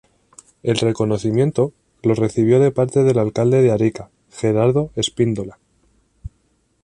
El reconocimiento lo recibió de parte del alcalde de Arica Gerardo Espíndola.